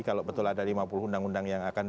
kalau betul ada lima puluh undang undang yang akan